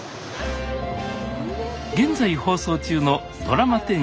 現在放送中のドラマ１０